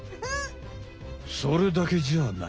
それだけじゃない。